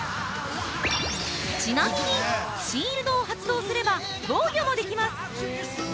ちなみに、シールドを発動すれば防御もできます。